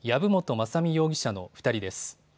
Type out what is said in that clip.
雅巳容疑者の２人です。